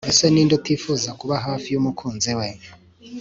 ese ni nde utifuza kuba hafi y'umukunzi we